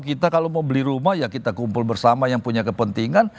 kita kalau mau beli rumah ya kita kumpul bersama yang punya kepentingan